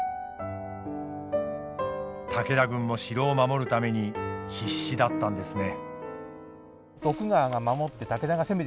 武田軍も城を守るために必死だったんですね。